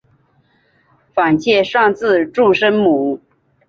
反切上字注声母。